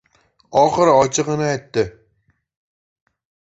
Oxiri ochig‘ini aytdi: